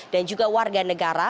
dan juga warga negara